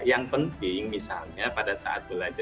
yang penting misalnya pada saat belajar